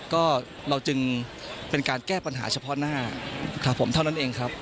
ก็เราจึงเป็นการแก้ปัญหาเฉพาะหน้าครับผมเท่านั้นเองครับ